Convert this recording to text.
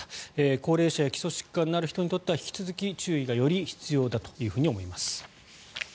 高齢者や基礎疾患のある人にとっては引き続き注意がより必要だと思います。